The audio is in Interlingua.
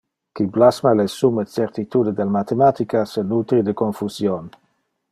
Qui blasma le summe certitude del mathematica, se nutri de confusion.